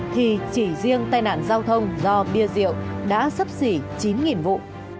thì chỉ riêng tai nạn giao thông do bia rượu đã sắp xỉ chín vụ